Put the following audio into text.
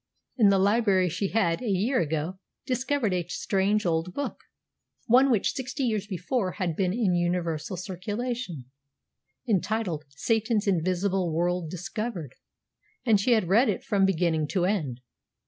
In the library she had, a year ago, discovered a strange old book one which sixty years before had been in universal circulation entitled Satan's Invisible World Discovered, and she had read it from beginning to end.